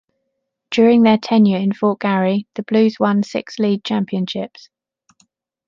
During their tenure in Fort Garry, the Blues won six league championships.